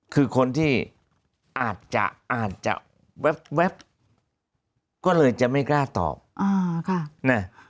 คือคนที่อาจจะอาจจะแว๊บก็เลยจะไม่กล้าตอบอ่าค่ะนะ